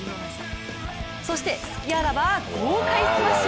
そして隙あらば豪快スマッシュ！